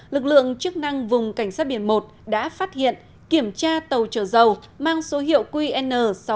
lực lượng chức năng vùng cảnh sát biển một đã phát hiện kiểm tra tàu chở dầu mang số hiệu qn sáu nghìn ba trăm hai mươi chín